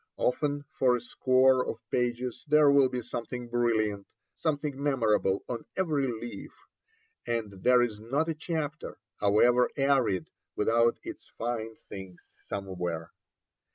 Often for a score of pages there will be something brilliant, something memorable on every leaf, and there is not a chapter, however arid, without its fine things somewhere.